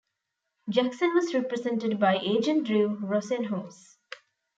Jackson was represented by agent Drew Rosenhaus.